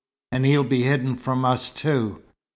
And he'll be hidden from us, too.